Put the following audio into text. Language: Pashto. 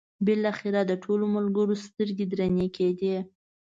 بالاخره د ټولو ملګرو سترګې درنې کېدې.